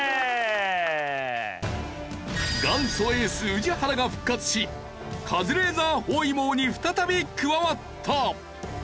元祖エース宇治原が復活しカズレーザー包囲網に再び加わった。